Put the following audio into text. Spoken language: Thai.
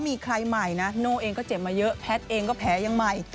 มีใครใหม่นะโน่เองก็เจ็บมาเยอะแพทย์เองก็แผลยังใหม่